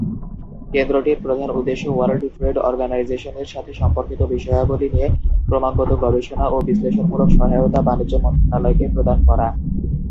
কেন্দ্রটির প্রধান উদ্দেশ্য world trade অর্গানাইজেশনের সাথে সম্পর্কিত বিষয়াবলি নিয়ে ক্রমাগত গবেষণা ও বিশ্লেষণমূলক সহায়তা বাণিজ্য মন্ত্রণালয়কে প্রদান করা।